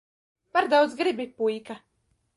Par daudz gribi, puika.